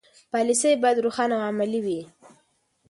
پالیسي باید روښانه او عملي وي.